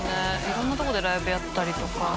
色んなとこでライブやったりとか」